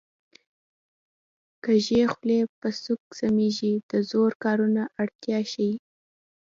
کږې خولې په سوک سمېږي د زور کارولو اړتیا ښيي